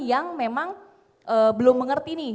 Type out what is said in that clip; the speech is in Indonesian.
yang memang belum mengerti nih